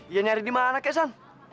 ya nyari di mana kesan